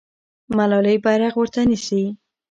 ملالۍ بیرغ ورته نیسي.